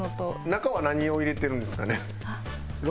中は何を入れてるんですかね？